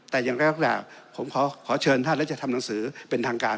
แต่อย่างไรก็แล้วแต่ผมขอเชิญท่านและจะทำหนังสือเป็นทางการ